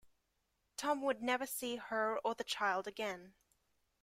Tom would never see her or the child again.